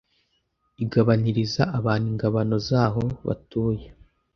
igabaniriza abantu ingabano z’aho batuye,